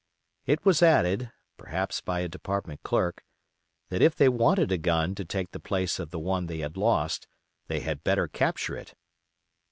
It was added—perhaps by a department clerk—that if they wanted a gun to take the place of the one they had lost, they had better capture it.